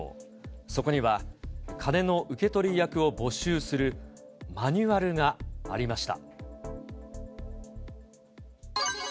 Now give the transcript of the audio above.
そこには金の受け取り役を募集するマニュアルがありました。